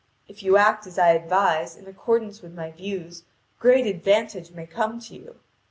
If you act as I advise, in accordance with my views, great advantage may come to you.